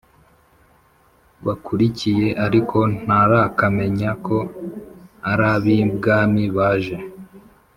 bakurikiye ariko ntarakamenya ko arabibwami baje.